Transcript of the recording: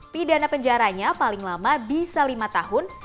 pidana penjaranya paling lama bisa lima tahun